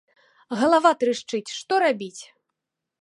Галава трашчыць, што рабіць!